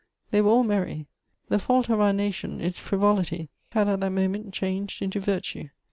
They were all merry. The fault of our nation, its frivolity, had at that moment changed into virtue.